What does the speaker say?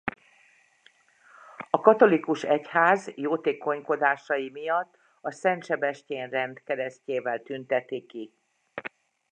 A katolikus egyház jótékonykodásai miatt a Szent Sebestyén-rend keresztjével tünteti ki.